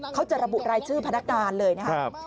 เขาจะระบุรายชื่อพนักงานเลยนะครับ